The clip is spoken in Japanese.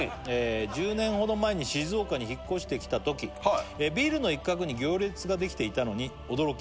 「１０年ほど前に静岡に引っ越してきたとき」「ビルの一角に行列ができていたのに驚き」